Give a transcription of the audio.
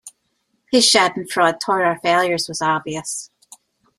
His Schadenfreude toward our failures was obvious.